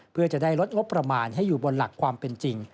เพื่อจะได้ลดงบประมาณให้อยู่บนหลักความเป็นจริง